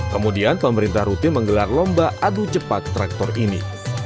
kemudian pemerintah rutin menggelar lomba adu cepat traktor ini